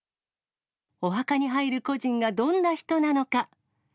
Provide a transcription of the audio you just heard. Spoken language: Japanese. お墓に入る故人がどんな人なのか。